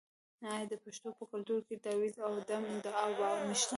آیا د پښتنو په کلتور کې د تعویذ او دم دعا باور نشته؟